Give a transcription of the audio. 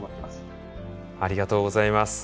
ありがとうございます。